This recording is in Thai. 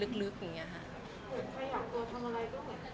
แฟนคลับของคุณไม่ควรเราอะไรไง